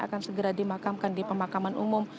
akan segera dimakamkan di pemakaman umum